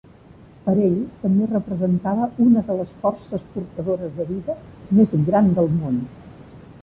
Per ell, també, representava una de les forces portadores de vida més gran del món.